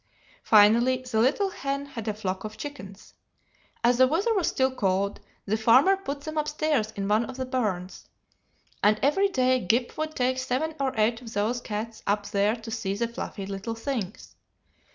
Finally the little hen had a flock of chickens. As the weather was still cold, the farmer put them upstairs in one of the barns, and every day Gyp would take seven or eight of those cats up there to see the fluffy little things.